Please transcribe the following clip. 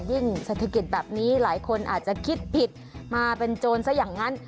เศรษฐกิจแบบนี้หลายคนอาจจะคิดผิดมาเป็นโจรซะอย่างนั้น